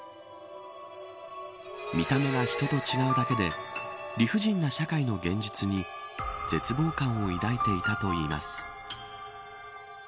見た目が人と違うだけで理不尽な社会の現実に絶望感を抱いていたといいます。